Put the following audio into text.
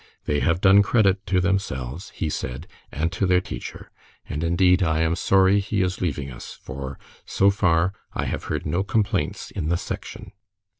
"They have done credit to themselves," he said, "and to their teacher. And indeed I am sorry he is leaving us, for, so far, I have heard no complaints in the Section."